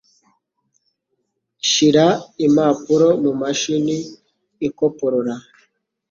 Shira impapuro mumashini ikoporora.